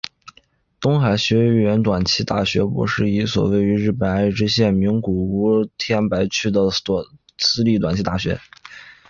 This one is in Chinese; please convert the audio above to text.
东海学园短期大学部是一所位于日本爱知县名古屋市天白区的私立短期大学。